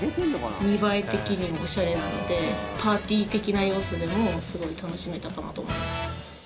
見栄え的にもおしゃれなのでパーティー的な要素でもすごい楽しめたかなと思います。